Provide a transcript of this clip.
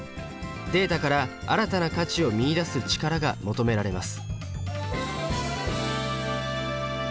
データから新たな価値を見いだす力が求められます。